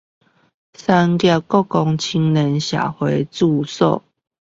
三峽國光青年社會住宅